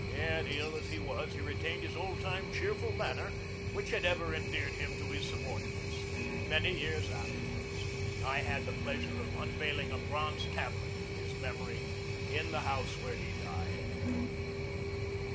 Yet, ill as he was, he retained his old time cheerful manner, which had ever endeared him to his subordinates. Many years afterward I had the pleasure of unveiling a bronze tablet to his memory in the house where he died.